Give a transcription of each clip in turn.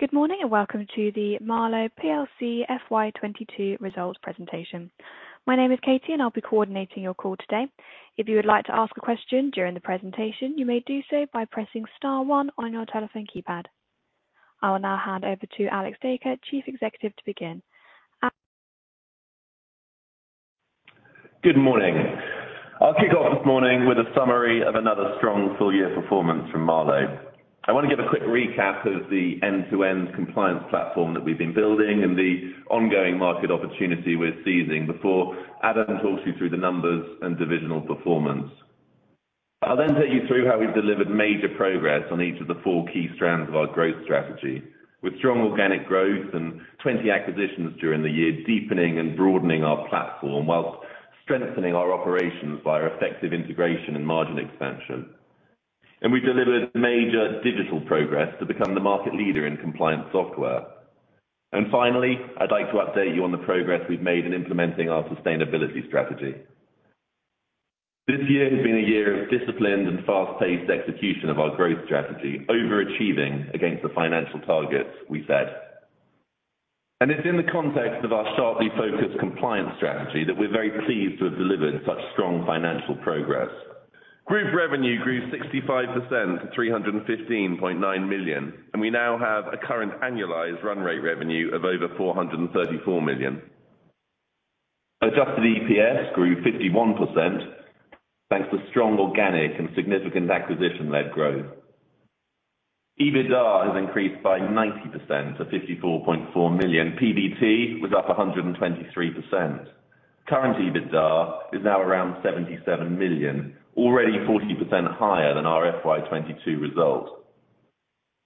Good morning, and welcome to the Marlowe plc FY 22 results presentation. My name is Katie and I'll be coordinating your call today. If you would like to ask a question during the presentation, you may do so by pressing star one on your telephone keypad. I will now hand over to Alex Dacre, Chief Executive, to begin. Alex Good morning. I'll kick off this morning with a summary of another strong full year performance from Marlowe. I want to give a quick recap of the end-to-end compliance platform that we've been building and the ongoing market opportunity we're seizing before Adam talks you through the numbers and divisional performance. I'll then take you through how we've delivered major progress on each of the four key strands of our growth strategy, with strong organic growth and 20 acquisitions during the year, deepening and broadening our platform while strengthening our operations via effective integration and margin expansion. We delivered major digital progress to become the market leader in compliance software. Finally, I'd like to update you on the progress we've made in implementing our sustainability strategy. This year has been a year of disciplined and fast-paced execution of our growth strategy, overachieving against the financial targets we set. It's in the context of our sharply focused compliance strategy that we're very pleased to have delivered such strong financial progress. Group revenue grew 65% to 315.9 million, and we now have a current annualized run rate revenue of over 434 million. Adjusted EPS grew 51%, thanks to strong organic and significant acquisition-led growth. EBITDA has increased by 90% to 54.4 million. PBT was up 123%. Current EBITDA is now around 77 million, already 40% higher than our FY 2022 result.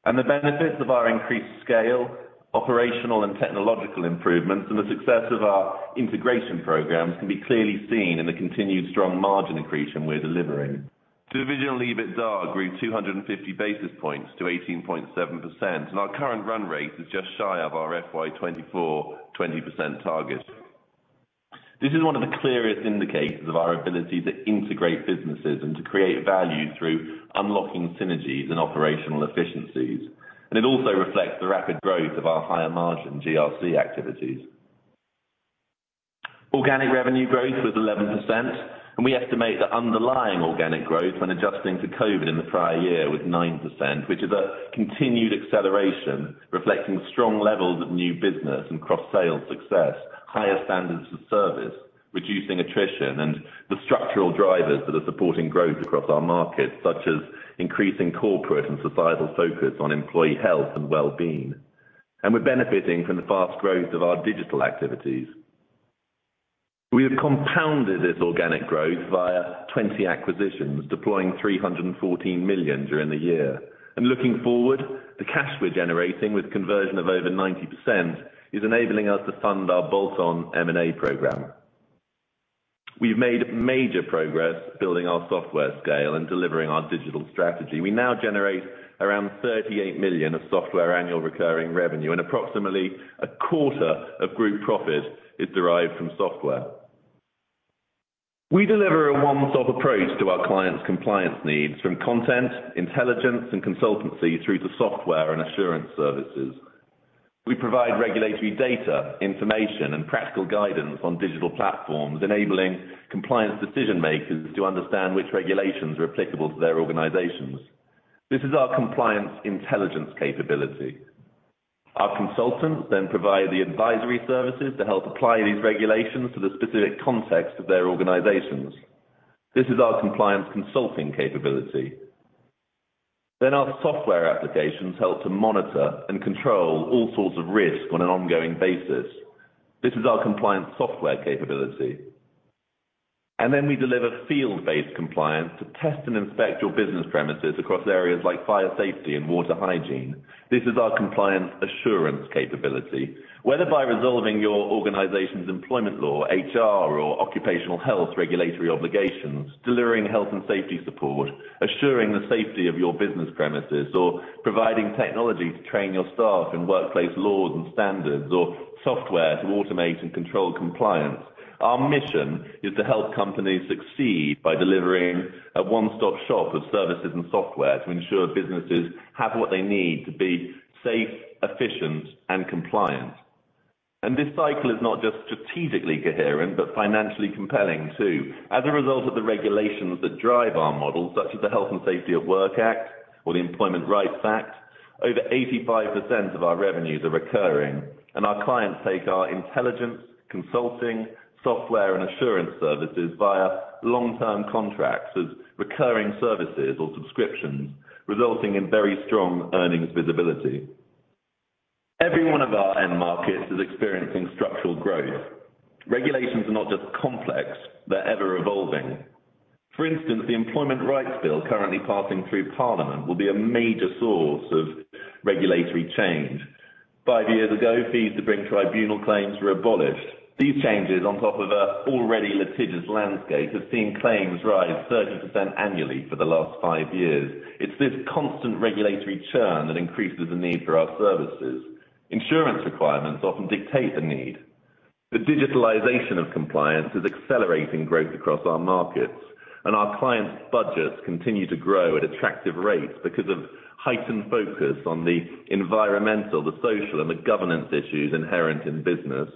The benefits of our increased scale, operational and technological improvements, and the success of our integration programs can be clearly seen in the continued strong margin accretion we're delivering. Divisional EBITDA grew 250 basis points to 18.7%, and our current run rate is just shy of our FY 2024 20% target. This is one of the clearest indicators of our ability to integrate businesses and to create value through unlocking synergies and operational efficiencies. It also reflects the rapid growth of our higher-margin GRC activities. Organic revenue growth was 11%, and we estimate the underlying organic growth when adjusting to COVID in the prior year was 9%, which is a continued acceleration reflecting strong levels of new business and cross-sale success, higher standards of service, reducing attrition, and the structural drivers that are supporting growth across our markets, such as increasing corporate and societal focus on employee health and well-being. We're benefiting from the fast growth of our digital activities. We have compounded this organic growth via 20 acquisitions, deploying 314 million during the year. Looking forward, the cash we're generating with conversion of over 90% is enabling us to fund our bolt-on M&A program. We've made major progress building our software scale and delivering our digital strategy. We now generate around 38 million of software annual recurring revenue and approximately a quarter of group profit is derived from software. We deliver a one-stop approach to our clients' compliance needs from content, intelligence, and consultancy through to software and assurance services. We provide regulatory data, information, and practical guidance on digital platforms, enabling compliance decision makers to understand which regulations are applicable to their organizations. This is our compliance intelligence capability. Our consultants then provide the advisory services to help apply these regulations to the specific context of their organizations. This is our compliance consulting capability. Our software applications help to monitor and control all sorts of risk on an ongoing basis. This is our compliance software capability. We deliver field-based compliance to test and inspect your business premises across areas like fire safety and water hygiene. This is our compliance assurance capability. Whether by resolving your organization's employment law, HR, or occupational health regulatory obligations, delivering health and safety support, assuring the safety of your business premises, or providing technology to train your staff in workplace laws and standards or software to automate and control compliance, our mission is to help companies succeed by delivering a one-stop shop of services and software to ensure businesses have what they need to be safe, efficient, and compliant. This cycle is not just strategically coherent, but financially compelling too. As a result of the regulations that drive our model, such as the Health and Safety at Work Act or the Employment Rights Act, over 85% of our revenues are recurring, and our clients take our intelligence, consulting, software, and assurance services via long-term contracts as recurring services or subscriptions, resulting in very strong earnings visibility. Every one of our end markets is experiencing structural growth. Regulations are not just complex, they're ever-evolving. For instance, the Employment Rights Bill currently passing through Parliament will be a major source of regulatory change. Five years ago, fees to bring tribunal claims were abolished. These changes on top of an already litigious landscape have seen claims rise 30% annually for the last five years. It's this constant regulatory churn that increases the need for our services. Insurance requirements often dictate the need. The digitalization of compliance is accelerating growth across our markets, and our clients' budgets continue to grow at attractive rates because of heightened focus on the environmental, the social, and the governance issues inherent in business.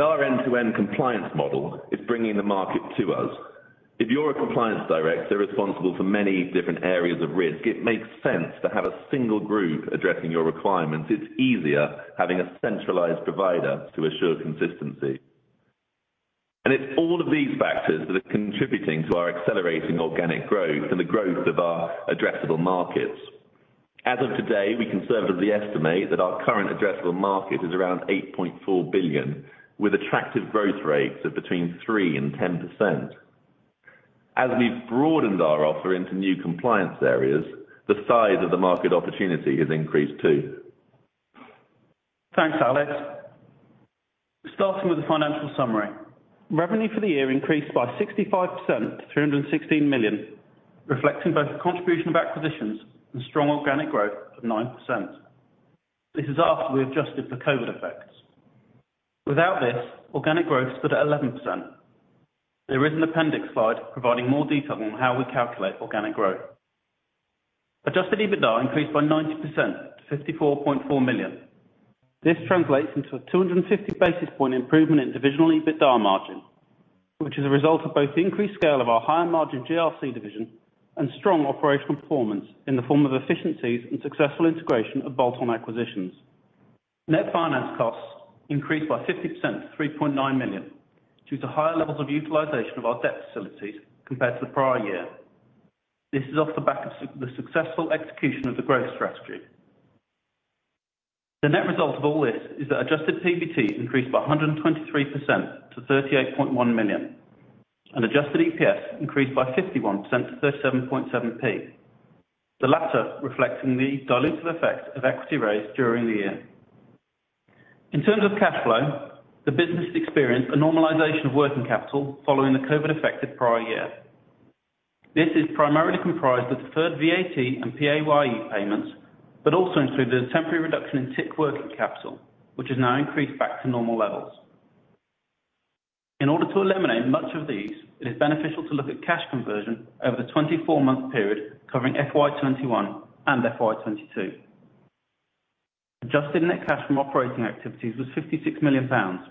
Our end-to-end compliance model is bringing the market to us. If you're a compliance director responsible for many different areas of risk, it makes sense to have a single group addressing your requirements. It's easier having a centralized provider to assure consistency. It's all of these factors that are contributing to our accelerating organic growth and the growth of our addressable markets. As of today, we conservatively estimate that our current addressable market is around 8.4 billion, with attractive growth rates of between 3% and 10%. As we've broadened our offer into new compliance areas, the size of the market opportunity has increased too. Thanks, Alex. Starting with the financial summary. Revenue for the year increased by 65% to 316 million, reflecting both the contribution of acquisitions and strong organic growth of 9%. This is after we adjusted for COVID effects. Without this, organic growth stood at 11%. There is an appendix slide providing more detail on how we calculate organic growth. Adjusted EBITDA increased by 90% to 54.4 million. This translates into a 250 basis points improvement in divisional EBITDA margin, which is a result of both the increased scale of our higher-margin GRC division and strong operational performance in the form of efficiencies and successful integration of bolt-on acquisitions. Net finance costs increased by 50% to 3.9 million due to higher levels of utilization of our debt facilities compared to the prior year. This is off the back of the successful execution of the growth strategy. The net result of all this is that adjusted PBT increased by 123% to 38.1 million, and adjusted EPS increased by 51% to 37.7p. The latter reflecting the dilutive effect of equity raised during the year. In terms of cash flow, the business experienced a normalization of working capital following the COVID-affected prior year. This is primarily comprised of deferred VAT and PAYE payments, but also included a temporary reduction in TIC working capital, which has now increased back to normal levels. In order to eliminate much of these, it is beneficial to look at cash conversion over the 24-month period covering FY 2021 and FY 2022. Adjusted net cash from operating activities was 56 million pounds,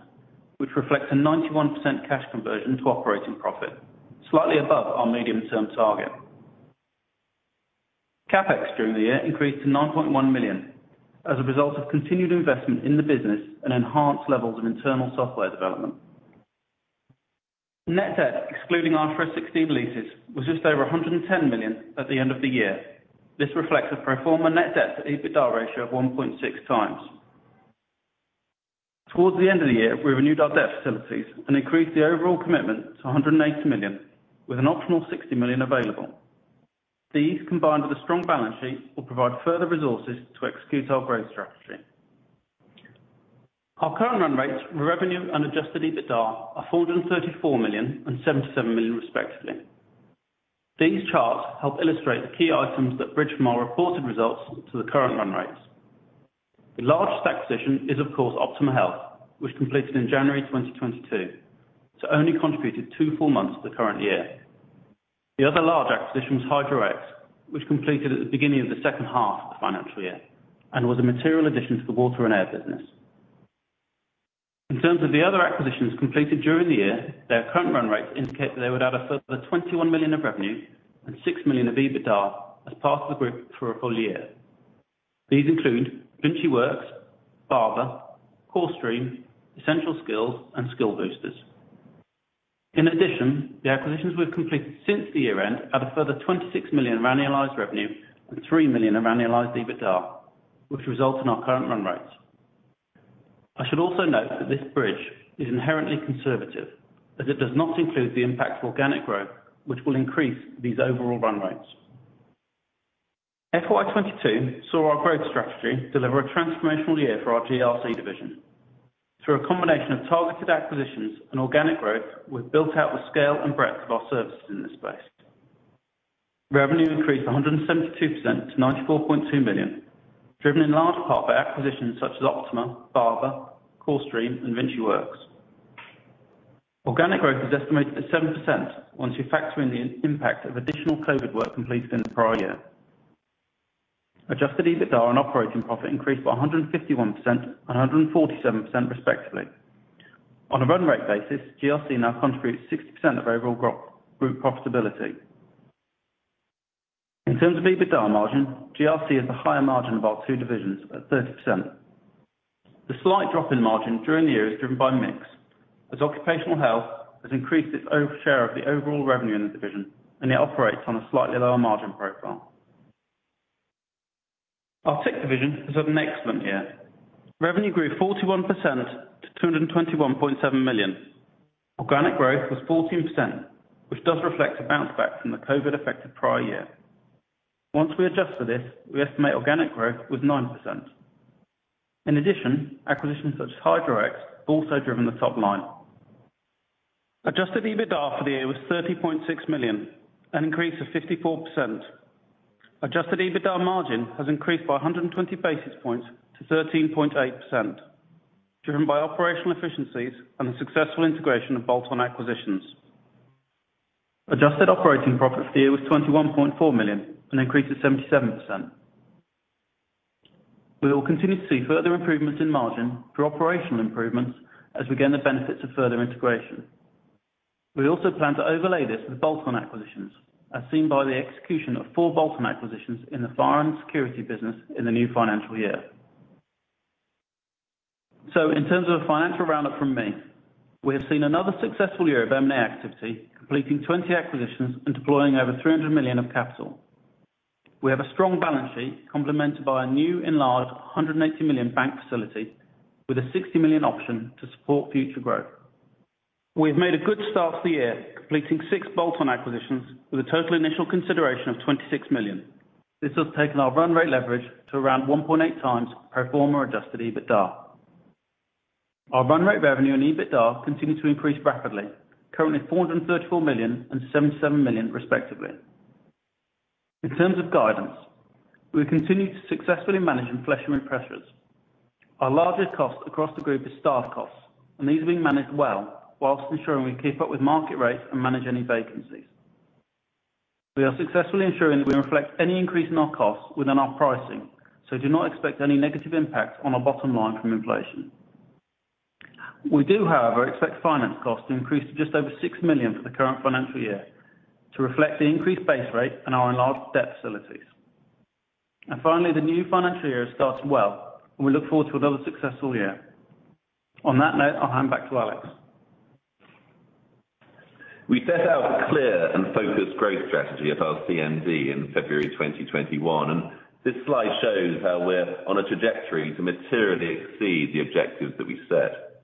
which reflects a 91% cash conversion to operating profit, slightly above our medium-term target. CapEx during the year increased to 9.1 million as a result of continued investment in the business and enhanced levels of internal software development. Net debt, excluding our IFRS 16 leases, was just over 110 million at the end of the year. This reflects a pro forma net debt to EBITDA ratio of 1.6x. Towards the end of the year, we renewed our debt facilities and increased the overall commitment to 180 million, with an optional 60 million available. These, combined with a strong balance sheet, will provide further resources to execute our growth strategy. Our current run rates for revenue and adjusted EBITDA are 434 million and 77 million respectively. These charts help illustrate the key items that bridge from our reported results to the current run rates. The largest acquisition is, of course, Optima Health, which completed in January 2022, so only contributed two full months to the current year. The other large acquisition was Hydro-X, which completed at the beginning of the second half of the financial year and was a material addition to the water and air business. In terms of the other acquisitions completed during the year, their current run rates indicate that they would add a further 21 million of revenue and 6 million of EBITDA as part of the group for a full year. These include VinciWorks, Barbour, CoreStream, EssentialSkillz, and Skill Boosters. In addition, the acquisitions we've completed since the year-end add a further 26 million of annualized revenue and 3 million of annualized EBITDA, which result in our current run rates. I should also note that this bridge is inherently conservative as it does not include the impact of organic growth, which will increase these overall run rates. FY 2022 saw our growth strategy deliver a transformational year for our GRC division. Through a combination of targeted acquisitions and organic growth, we've built out the scale and breadth of our services in this space. Revenue increased 172% to 94.2 million, driven in large part by acquisitions such as Optima, Barbour, CoreStream, and VinciWorks. Organic growth is estimated at 7% once you factor in the impact of additional COVID work completed in the prior year. Adjusted EBITDA and operating profit increased by 151% and 147% respectively. On a run rate basis, GRC now contributes 60% of overall group profitability. In terms of EBITDA margin, GRC is the higher margin of our two divisions at 30%. The slight drop in margin during the year is driven by mix, as occupational health has increased its own share of the overall revenue in the division, and it operates on a slightly lower margin profile. Our TIC division has had an excellent year. Revenue grew 41% to 221.7 million. Organic growth was 14%, which does reflect a bounce back from the COVID-affected prior year. Once we adjust for this, we estimate organic growth was 9%. In addition, acquisitions such as Hydro-X have also driven the top line. Adjusted EBITDA for the year was 30.6 million, an increase of 54%. Adjusted EBITDA margin has increased by 120 basis points to 13.8% driven by operational efficiencies and the successful integration of bolt-on acquisitions. Adjusted operating profit for the year was 21.4 million, an increase of 77%. We will continue to see further improvements in margin through operational improvements as we gain the benefits of further integration. We also plan to overlay this with bolt-on acquisitions, as seen by the execution of four bolt-on acquisitions in the Fire & Security business in the new financial year. In terms of financial roundup from me, we have seen another successful year of M&A activity, completing 20 acquisitions and deploying over 300 million of capital. We have a strong balance sheet complemented by a new enlarged 180 million bank facility with a 60 million option to support future growth. We have made a good start to the year, completing six bolt-on acquisitions with a total initial consideration of 26 million. This has taken our run rate leverage to around 1.8x pro forma adjusted EBITDA. Our run rate revenue and EBITDA continue to increase rapidly, currently 434 million and 77 million respectively. In terms of guidance, we continue to successfully manage inflationary pressures. Our largest cost across the group is staff costs, and these are being managed well while ensuring we keep up with market rates and manage any vacancies. We are successfully ensuring that we reflect any increase in our costs within our pricing, so do not expect any negative impact on our bottom line from inflation. We do, however, expect finance costs to increase to just over 6 million for the current financial year to reflect the increased base rate and our enlarged debt facilities. Finally, the new financial year has started well, and we look forward to another successful year. On that note, I'll hand back to Alex. We set out a clear and focused growth strategy at our CMD in February 2021, and this slide shows how we're on a trajectory to materially exceed the objectives that we set.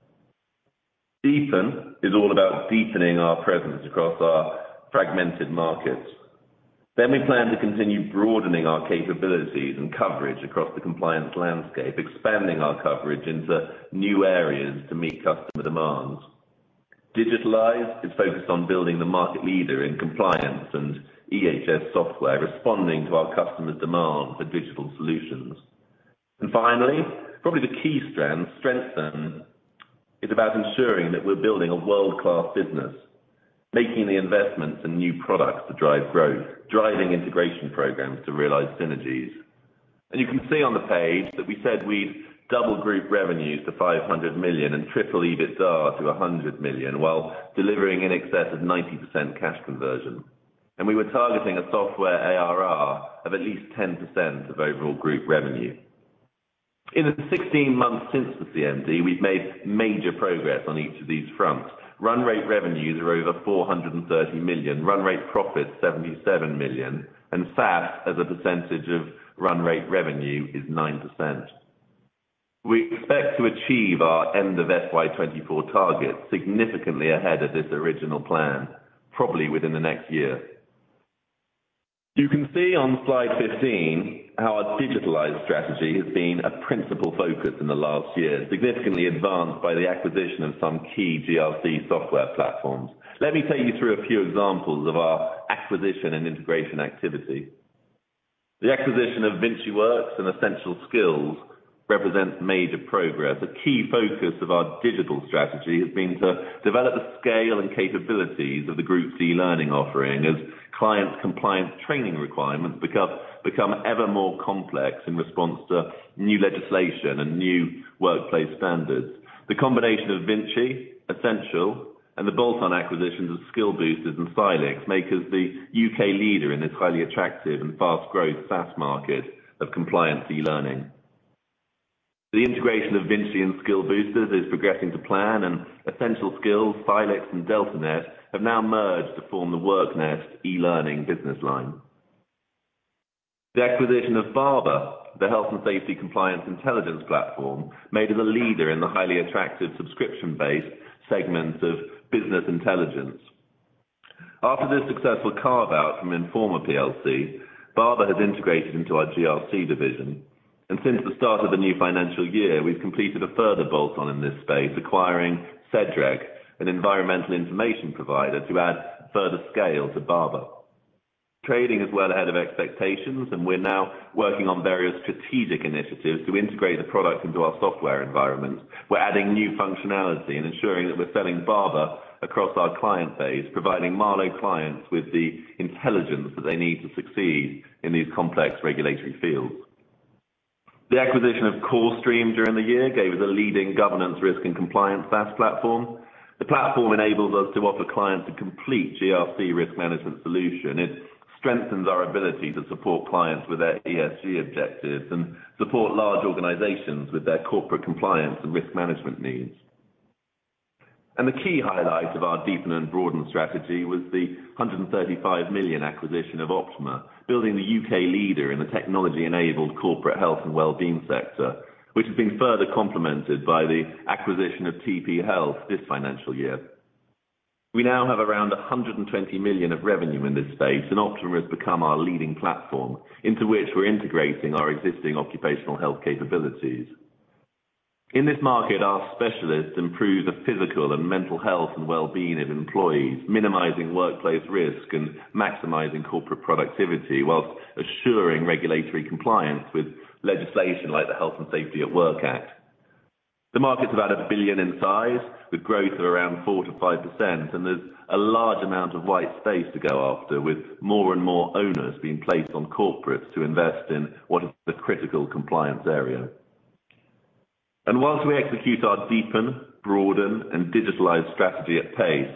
Deepen is all about deepening our presence across our fragmented markets. We plan to continue broadening our capabilities and coverage across the compliance landscape, expanding our coverage into new areas to meet customer demands. Digitalize is focused on building the market leader in compliance and EHS software, responding to our customers' demand for digital solutions. Finally, probably the key strand, strengthen is about ensuring that we're building a world-class business, making the investments and new products that drive growth, driving integration programs to realize synergies. You can see on the page that we said we'd double group revenues to 500 million and triple EBITDA to 100 million while delivering in excess of 90% cash conversion. We were targeting a software ARR of at least 10% of overall group revenue. In the 16 months since the CMD, we've made major progress on each of these fronts. Run rate revenues are over 430 million. Run rate profits, 77 million. SaaS as a percentage of run rate revenue is 9%. We expect to achieve our end of FY 2024 targets significantly ahead of this original plan, probably within the next year. You can see on slide 15 how our digitalized strategy has been a principal focus in the last year, significantly advanced by the acquisition of some key GRC software platforms. Let me take you through a few examples of our acquisition and integration activity. The acquisition of VinciWorks and EssentialSkillz represents major progress. A key focus of our digital strategy has been to develop the scale and capabilities of the group's e-learning offering as clients' compliance training requirements become ever more complex in response to new legislation and new workplace standards. The combination of Vinci, EssentialSkillz, and the bolt-on acquisitions of Skill Boosters and Cylix make us the U.K. leader in this highly attractive and fast growth SaaS market of compliance e-learning. The integration of Vinci and Skill Boosters is progressing to plan and EssentialSkillz, Cylix and DeltaNet have now merged to form the WorkNest e-learning business line. The acquisition of Barbour, the health and safety compliance intelligence platform, made us a leader in the highly attractive subscription-based segment of business intelligence. After this successful carve-out from Informa plc, Barbour has integrated into our GRC division. Since the start of the new financial year, we've completed a further bolt-on in this space, acquiring Cedrec, an environmental information provider to add further scale to Barbour. Trading is well ahead of expectations, and we're now working on various strategic initiatives to integrate the product into our software environment. We're adding new functionality and ensuring that we're selling Barbour across our client base, providing Marlowe clients with the intelligence that they need to succeed in these complex regulatory fields. The acquisition of CoreStream during the year gave us a leading governance risk and compliance SaaS platform. The platform enables us to offer clients a complete GRC risk management solution. It strengthens our ability to support clients with their ESG objectives and support large organizations with their corporate compliance and risk management needs. The key highlight of our deepen and broaden strategy was the 135 million acquisition of Optima, building the U.K. leader in the technology-enabled corporate health and wellbeing sector, which has been further complemented by the acquisition of TP Health this financial year. We now have around 120 million of revenue in this space, and Optima has become our leading platform into which we're integrating our existing occupational health capabilities. In this market, our specialists improve the physical and mental health and well-being of employees, minimizing workplace risk and maximizing corporate productivity, whilst assuring regulatory compliance with legislation like the Health and Safety at Work Act. The market's about 1 billion in size, with growth of around 4%-5%, and there's a large amount of white space to go after, with more and more onus being placed on corporates to invest in what is the critical compliance area. While we execute our deepen, broaden, and digitalize strategy at pace,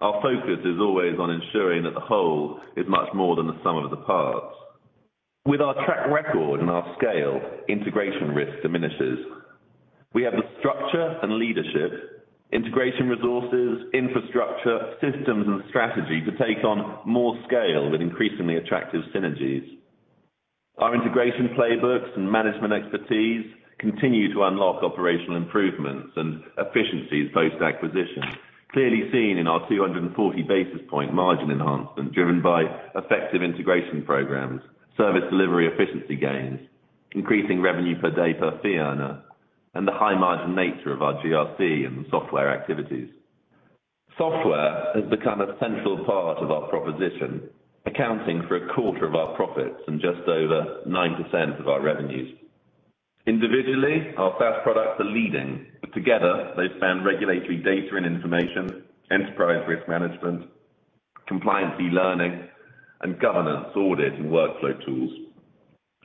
our focus is always on ensuring that the whole is much more than the sum of the parts. With our track record and our scale, integration risk diminishes. We have the structure and leadership, integration resources, infrastructure, systems and strategy to take on more scale with increasingly attractive synergies. Our integration playbooks and management expertise continue to unlock operational improvements and efficiencies post-acquisition, clearly seen in our 240 basis points margin enhancement driven by effective integration programs, service delivery efficiency gains, increasing revenue per day per fee earner, and the high margin nature of our GRC and software activities. Software has become a central part of our proposition, accounting for a quarter of our profits and just over 9% of our revenues. Individually, our SaaS products are leading, but together they span regulatory data and information, enterprise risk management, compliance e-learning, and governance audit and workflow tools.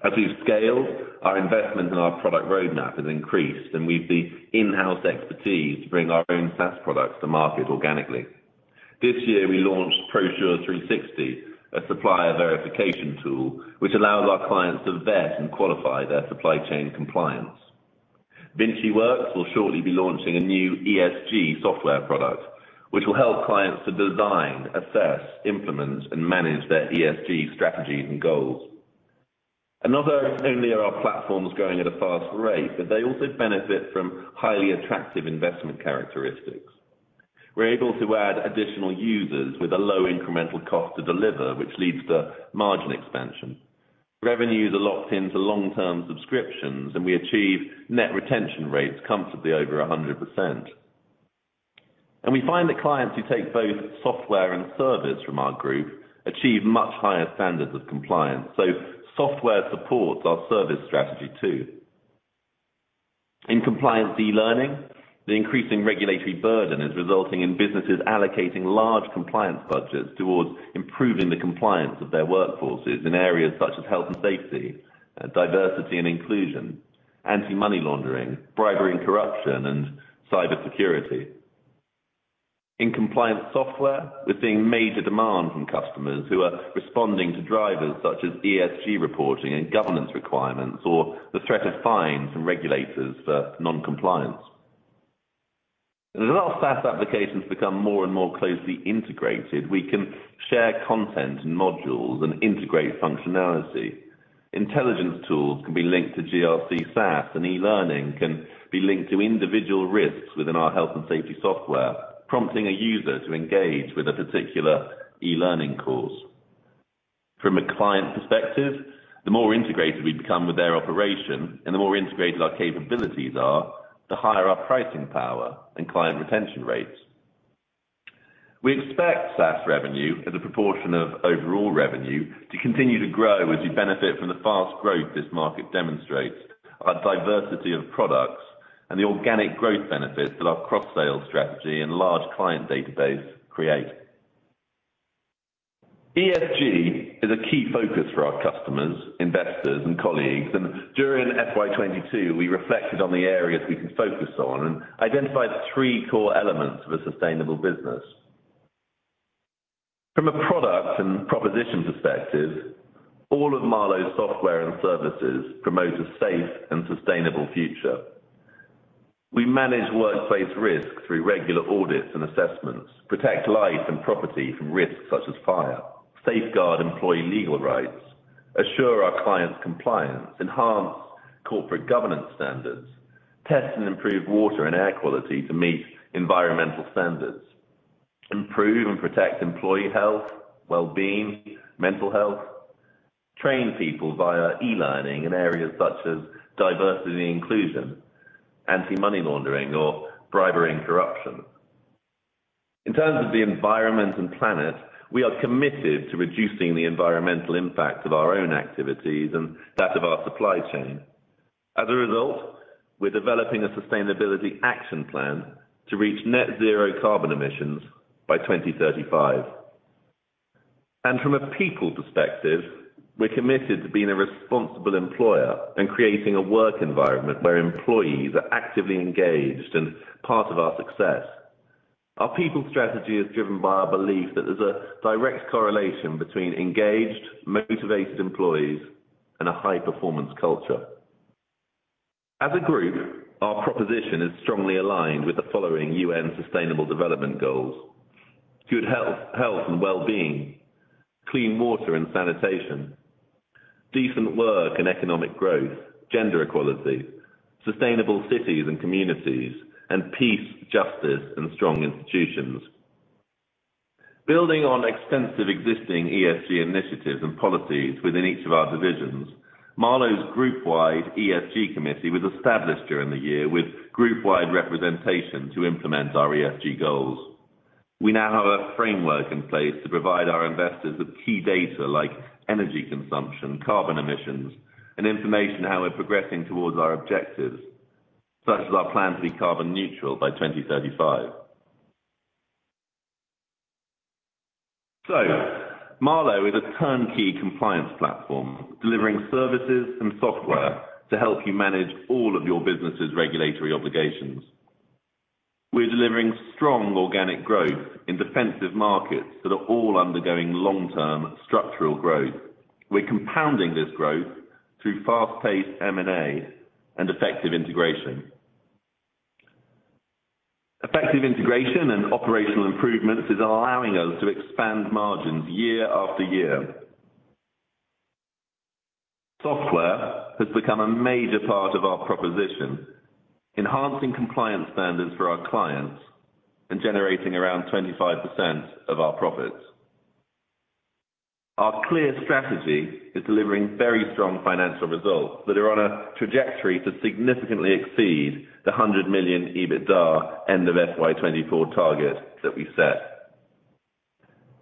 As we've scaled, our investment in our product roadmap has increased, and we've the in-house expertise to bring our own SaaS products to market organically. This year we launched ProSure 360, a supplier verification tool which allows our clients to vet and qualify their supply chain compliance. VinciWorks will shortly be launching a new ESG software product which will help clients to design, assess, implement and manage their ESG strategies and goals. Not only are our platforms growing at a fast rate, but they also benefit from highly attractive investment characteristics. We're able to add additional users with a low incremental cost to deliver, which leads to margin expansion. Revenues are locked into long-term subscriptions, and we achieve net retention rates comfortably over 100%. We find that clients who take both software and service from our group achieve much higher standards of compliance. Software supports our service strategy too. In compliance e-learning, the increasing regulatory burden is resulting in businesses allocating large compliance budgets towards improving the compliance of their workforces in areas such as health and safety, diversity and inclusion, anti-money laundering, bribery and corruption, and cybersecurity. In compliance software, we're seeing major demand from customers who are responding to drivers such as ESG reporting and governance requirements or the threat of fines from regulators for non-compliance. As our SaaS applications become more and more closely integrated, we can share content and modules and integrate functionality. Intelligence tools can be linked to GRC SaaS, and e-learning can be linked to individual risks within our health and safety software, prompting a user to engage with a particular e-learning course. From a client perspective, the more integrated we become with their operation and the more integrated our capabilities are, the higher our pricing power and client retention rates. We expect SaaS revenue as a proportion of overall revenue to continue to grow as we benefit from the fast growth this market demonstrates, our diversity of products, and the organic growth benefits that our cross-sale strategy and large client database create. ESG is a key focus for our customers, investors and colleagues, and during FY 2022, we reflected on the areas we can focus on and identified three core elements of a sustainable business. From a product and proposition perspective, all of Marlowe's software and services promote a safe and sustainable future. We manage workplace risk through regular audits and assessments, protect life and property from risks such as fire, safeguard employee legal rights, assure our clients' compliance, enhance corporate governance standards, test and improve water and air quality to meet environmental standards, improve and protect employee health, well-being, mental health, train people via e-learning in areas such as diversity and inclusion, anti-money laundering or bribery and corruption. In terms of the environment and planet, we are committed to reducing the environmental impact of our own activities and that of our supply chain. As a result, we're developing a sustainability action plan to reach net zero carbon emissions by 2035. From a people perspective, we're committed to being a responsible employer and creating a work environment where employees are actively engaged and part of our success. Our people strategy is driven by our belief that there's a direct correlation between engaged, motivated employees and a high-performance culture. As a group, our proposition is strongly aligned with the following UN Sustainable Development Goals: good health and well-being, clean water and sanitation, decent work and economic growth, gender equality, sustainable cities and communities, and peace, justice and strong institutions. Building on extensive existing ESG initiatives and policies within each of our divisions, Marlowe's group wide ESG committee was established during the year with group wide representation to implement our ESG goals. We now have a framework in place to provide our investors with key data like energy consumption, carbon emissions, and information how we're progressing towards our objectives, such as our plan to be carbon neutral by 2035. Marlowe is a turnkey compliance platform, delivering services and software to help you manage all of your business' regulatory obligations. We're delivering strong organic growth in defensive markets that are all undergoing long-term structural growth. We're compounding this growth through fast-paced M&A and effective integration. Effective integration and operational improvements is allowing us to expand margins year after year. Software has become a major part of our proposition, enhancing compliance standards for our clients and generating around 25% of our profits. Our clear strategy is delivering very strong financial results that are on a trajectory to significantly exceed the 100 million EBITDA end of FY 2024 target that we set.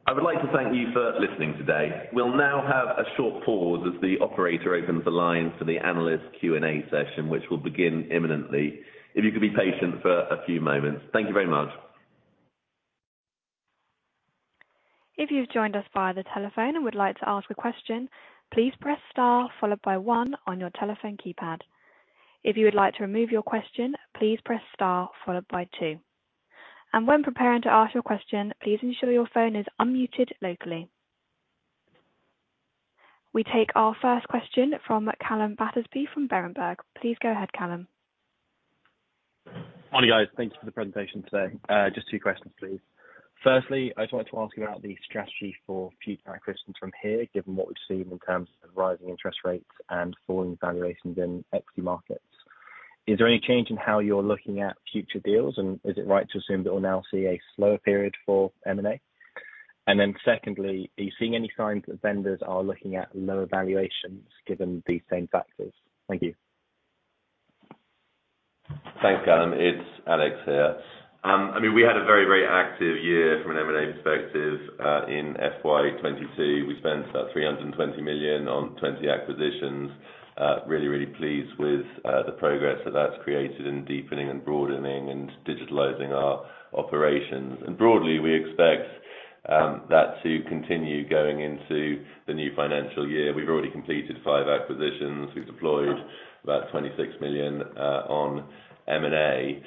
I would like to thank you for listening today. We'll now have a short pause as the operator opens the lines for the analyst Q&A session, which will begin imminently. If you could be patient for a few moments. Thank you very much. If you've joined us via the telephone and would like to ask a question, please press star followed by one on your telephone keypad. If you would like to remove your question, please press star followed by two. When preparing to ask your question, please ensure your phone is unmuted locally. We take our first question from Calum Battersby from Berenberg. Please go ahead, Calum. Morning, guys. Thank you for the presentation today. Just two questions, please. Firstly, I just wanted to ask about the strategy for future acquisitions from here, given what we've seen in terms of rising interest rates and falling valuations in equity markets. Is there any change in how you're looking at future deals, and is it right to assume that we'll now see a slower period for M&A? Secondly, are you seeing any signs that vendors are looking at lower valuations given these same factors? Thank you. Thanks, Calum. It's Alex here. I mean, we had a very, very active year from an M&A perspective in FY 2022. We spent about 320 million on 20 acquisitions. Really, really pleased with the progress that that's created in deepening and broadening and digitalizing our operations. Broadly, we expect that to continue going into the new financial year. We've already completed five acquisitions. We've deployed about 26 million on M&A.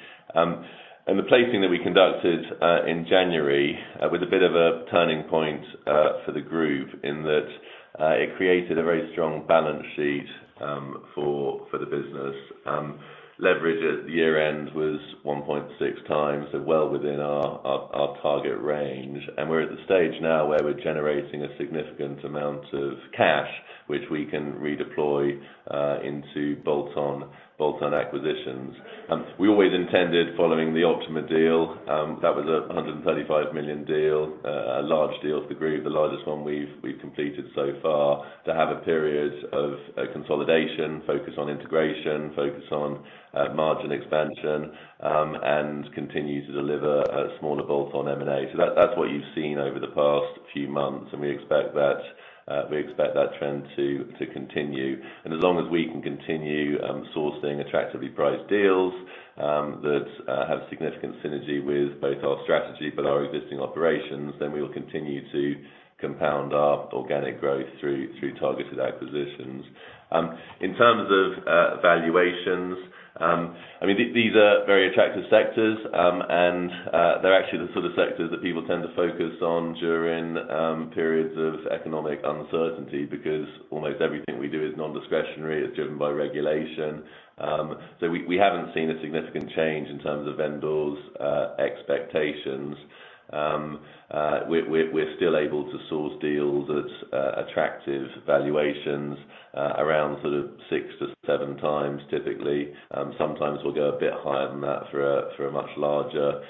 The placing that we conducted in January was a bit of a turning point for the group in that it created a very strong balance sheet for the business. Leverage at year-end was 1.6x, so well within our target range. We're at the stage now where we're generating a significant amount of cash, which we can redeploy into bolt-on acquisitions. We always intended following the Optima Health deal, that was a 135 million deal, a large deal for the group, the largest one we've completed so far, to have a period of consolidation, focus on integration, focus on margin expansion, and continue to deliver a smaller bolt-on M&A. That's what you've seen over the past few months, and we expect that trend to continue. As long as we can continue sourcing attractively priced deals that have significant synergy with both our strategy but our existing operations, then we will continue to compound our organic growth through targeted acquisitions. In terms of valuations, I mean, these are very attractive sectors, and they're actually the sort of sectors that people tend to focus on during periods of economic uncertainty because almost everything we do is non-discretionary, it's driven by regulation. We haven't seen a significant change in terms of vendors' expectations. We're still able to source deals at attractive valuations, around sort of 6x-7x typically. Sometimes we'll go a bit higher than that for a much larger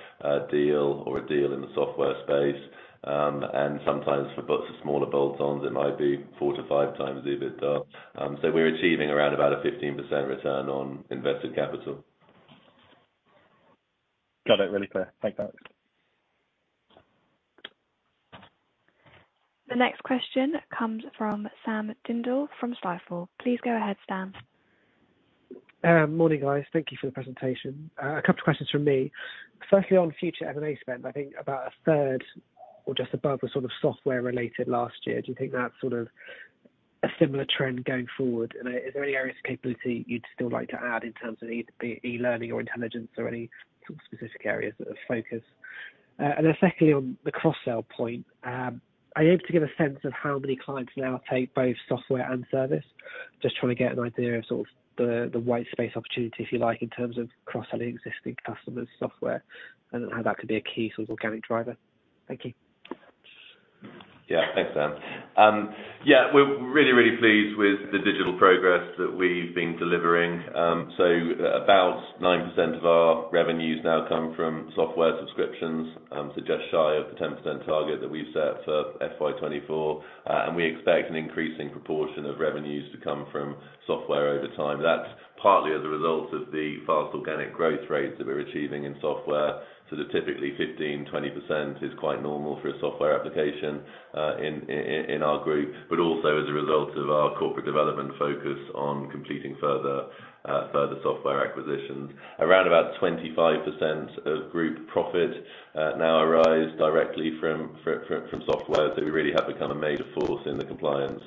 deal or a deal in the software space. And sometimes for smaller bolt-on, it might be 4x-5x EBITDA. We're achieving around about a 15% return on invested capital. Got it. Really clear. Thanks, Alex. The next question comes from Sam Dindol from Stifel. Please go ahead, Sam. Morning, guys. Thank you for the presentation. A couple questions from me. Firstly, on future M&A spend, I think about a third or just above the sort of software related last year. Do you think that's sort of a similar trend going forward? Is there any areas of capability you'd still like to add in terms of e-learning or intelligence or any specific areas of focus? Secondly, on the cross-sell point, are you able to give a sense of how many clients now take both software and service? Just trying to get an idea of sort of the white space opportunity, if you like, in terms of cross-selling existing customers software and how that could be a key sort of organic driver. Thank you. Yeah, thanks, Sam. We're really pleased with the digital progress that we've been delivering. About 9% of our revenues now come from software subscriptions, so just shy of the 10% target that we've set for FY 2024. We expect an increasing proportion of revenues to come from software over time. That's partly as a result of the fast organic growth rates that we're achieving in software. The typically 15%, 20% is quite normal for a software application in our group, but also as a result of our corporate development focus on completing further software acquisitions. Around about 25% of group profit now arise directly from software. We really have become a major force in the compliance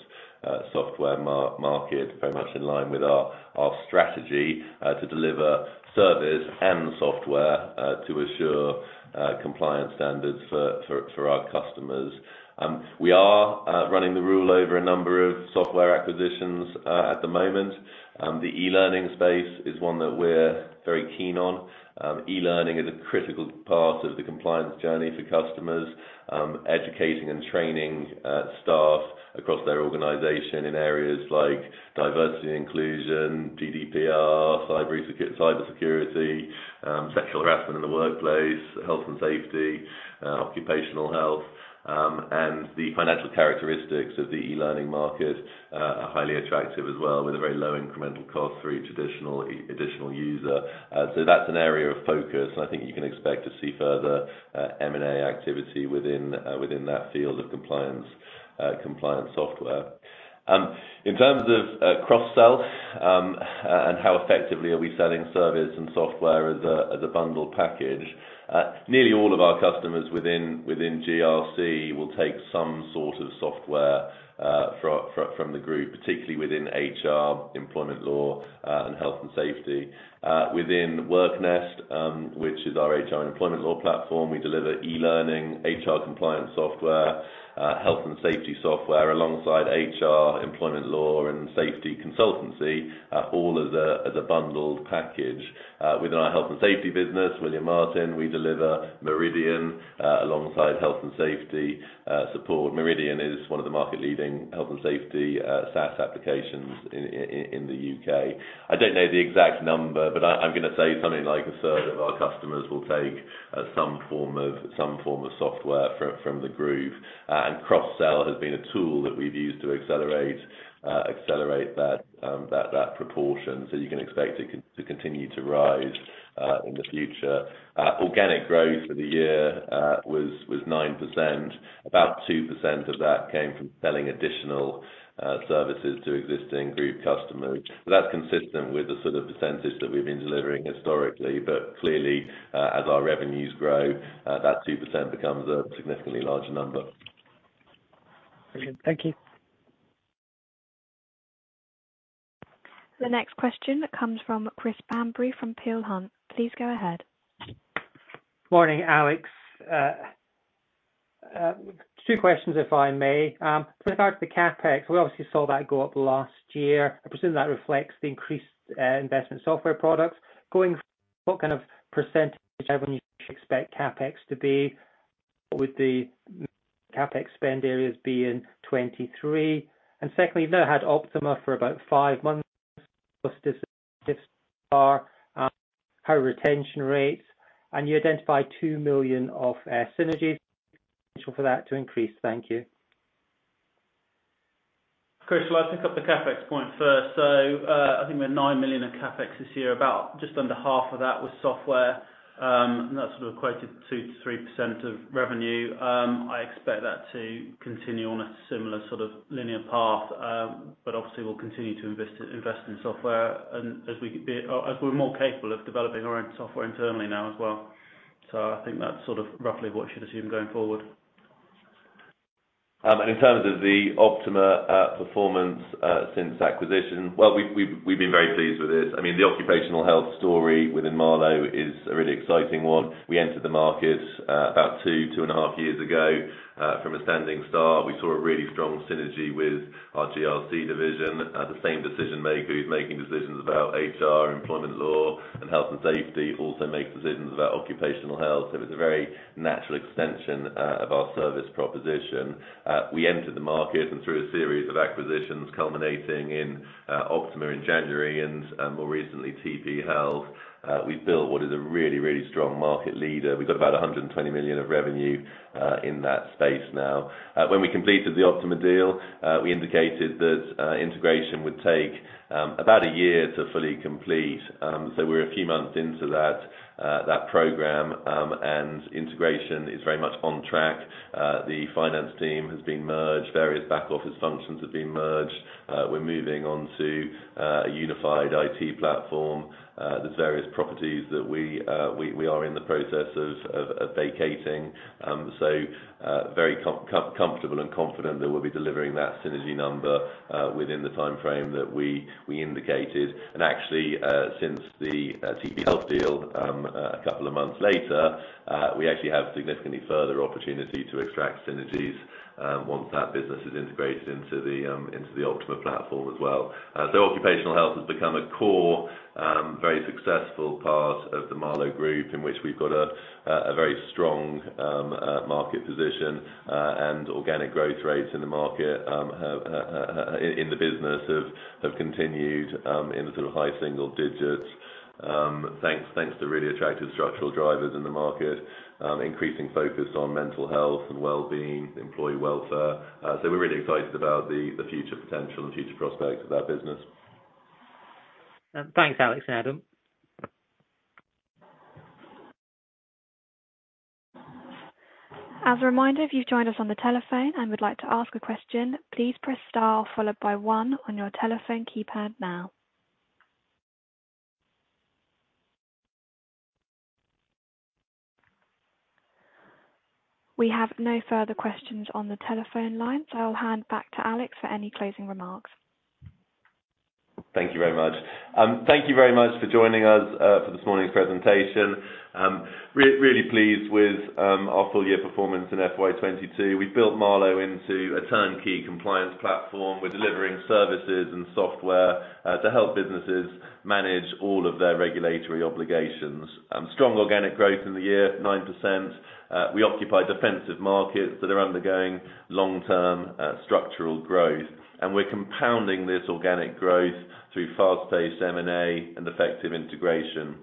software market, very much in line with our strategy to deliver service and software to assure compliance standards for our customers. We are running the rule over a number of software acquisitions at the moment. The e-learning space is one that we're very keen on. E-learning is a critical part of the compliance journey for customers, educating and training staff across their organization in areas like diversity and inclusion, GDPR, cybersecurity, sexual harassment in the workplace, health and safety, occupational health. The financial characteristics of the e-learning market are highly attractive as well, with a very low incremental cost for each traditional additional user. That's an area of focus. I think you can expect to see further M&A activity within that field of compliance software. In terms of cross-sell and how effectively are we selling service and software as a bundled package, nearly all of our customers within GRC will take some sort of software from the group, particularly within HR, employment law, and health and safety. Within WorkNest, which is our HR and employment law platform, we deliver e-learning, HR compliance software, health and safety software alongside HR, employment law and safety consultancy, all as a bundled package. Within our health and safety business, William Martin, we deliver Meridian alongside health and safety support. Meridian is one of the market leading health and safety SaaS applications in the U.K. I don't know the exact number, but I'm gonna say something like a third of our customers will take some form of software from the group. Cross-sell has been a tool that we've used to accelerate that proportion. You can expect it to continue to rise in the future. Organic growth for the year was 9%. About 2% of that came from selling additional services to existing group customers. That's consistent with the sort of percentage that we've been delivering historically. Clearly, as our revenues grow, that 2% becomes a significantly larger number. Brilliant. Thank you. The next question comes from Chris Bamberry from Peel Hunt. Please go ahead. Morning, Alex. Two questions, if I may. With regard to the CapEx, we obviously saw that go up last year. I presume that reflects the increased investment software products. Going forward, what kind of percentage of revenue should we expect CapEx to be? What would the CapEx spend areas be in 2023? Secondly, you've now had Optima for about five months. Just so far, high retention rates. You identified 2 million of synergies. Potential for that to increase. Thank you. Chris, well, I'll pick up the CapEx point first. I think we had 9 million in CapEx this year, about just under half of that was software. That sort of equated 2%-3% of revenue. I expect that to continue on a similar sort of linear path. Obviously we'll continue to invest in software. As we're more capable of developing our own software internally now as well. I think that's sort of roughly what you should assume going forward. In terms of the Optima performance since acquisition, we've been very pleased with it. I mean, the occupational health story within Marlowe is a really exciting one. We entered the market about 2.5 years ago. From a standing start, we saw a really strong synergy with our GRC division. The same decision maker who's making decisions about HR, employment law, and health and safety also make decisions about occupational health. It was a very natural extension of our service proposition. We entered the market and through a series of acquisitions culminating in Optima in January and more recently, TP Health, we've built what is a really strong market leader. We've got about 120 million of revenue in that space now. When we completed the Optima deal, we indicated that integration would take about a year to fully complete. We're a few months into that program, and integration is very much on track. The finance team has been merged, various back office functions have been merged. We're moving onto a unified IT platform. There's various properties that we are in the process of vacating. We're very comfortable and confident that we'll be delivering that synergy number within the timeframe that we indicated. Actually, since the TP Health deal a couple of months later, we actually have significantly further opportunity to extract synergies once that business is integrated into the Optima platform as well. Occupational health has become a core, very successful part of the Marlowe plc, in which we've got a very strong market position, and organic growth rates in the market, in the business have continued in the sort of high single digits. Thanks to really attractive structural drivers in the market, increasing focus on mental health and wellbeing, employee welfare. We're really excited about the future potential and future prospects of that business. Thanks, Alex and Adam. As a reminder, if you've joined us on the telephone and would like to ask a question, please press star followed by one on your telephone keypad now. We have no further questions on the telephone line, so I will hand back to Alex for any closing remarks. Thank you very much. Thank you very much for joining us for this morning's presentation. Really pleased with our full year performance in FY 2022. We've built Marlowe into a turnkey compliance platform. We're delivering services and software to help businesses manage all of their regulatory obligations. Strong organic growth in the year, 9%. We occupy defensive markets that are undergoing long-term structural growth, and we're compounding this organic growth through fast-paced M&A and effective integration.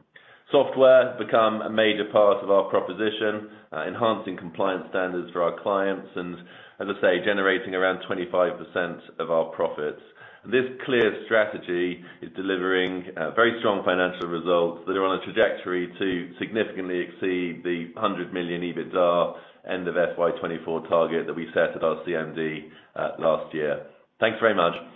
Software has become a major part of our proposition, enhancing compliance standards for our clients and, as I say, generating around 25% of our profits. This clear strategy is delivering very strong financial results that are on a trajectory to significantly exceed the 100 million EBITDA end of FY 2024 target that we set at our CMD last year. Thanks very much.